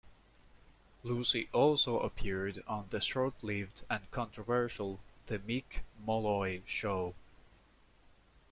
Lucy also appeared on the short-lived and controversial "The Mick Molloy Show".